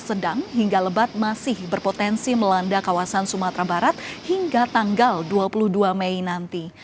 sedang hingga lebat masih berpotensi melanda kawasan sumatera barat hingga tanggal dua puluh dua mei nanti